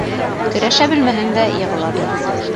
Көрәшә белмәһәң дә, йығыла бел.